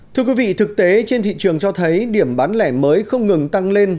thưa quý vị thực tế trên thị trường cho thấy điểm bán lẻ mới không ngừng tăng lên